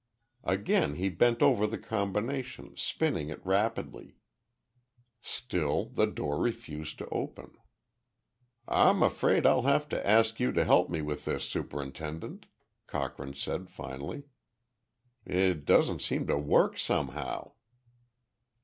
Again he bent over the combination, spinning it rapidly. Still the door refused to open. "I'm afraid I'll have to ask you to help me with this, Superintendent," Cochrane said, finally. "It doesn't seem to work, somehow."